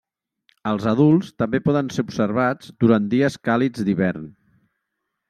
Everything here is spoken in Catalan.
Els adults també poden ser observats durant dies càlids d'hivern.